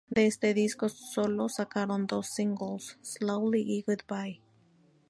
De este disco solo sacaron dos singles "Slowly" y "Goodbye".